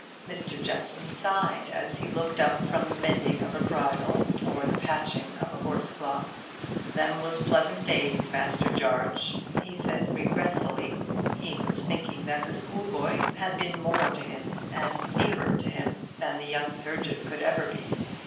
Mr. Jeffson sighed, as he looked up from the mending of a bridle or the patching of a horse cloth. "Them was pleasant days, Master Jarge," he said, regretfully. He was thinking that the schoolboy had been more to him and nearer to him than the young surgeon could ever be.